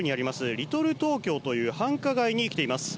リトルトーキョーという繁華街に来ています。